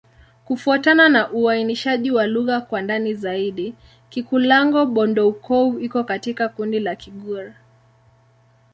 Kufuatana na uainishaji wa lugha kwa ndani zaidi, Kikulango-Bondoukou iko katika kundi la Kigur.